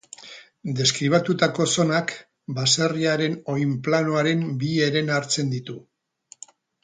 Deskribatutako zonak, baserriaren oinplanoaren bi heren hartzen ditu.